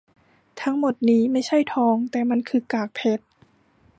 ทั้งหมดนี้ไม่ใช่ทองแต่มันคือกากเพชร